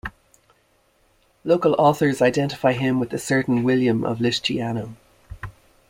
Local authors identify him with a certain William of Lisciano.